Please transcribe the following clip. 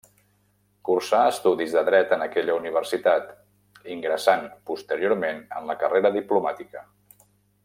Cursà estudis de Dret en aquella Universitat, ingressant posteriorment en la carrera diplomàtica.